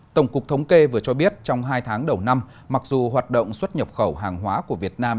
tổng cục thống kê vừa cho biết trong hai tháng đầu năm mặc dù hoạt động xuất nhập khẩu hàng hóa của việt nam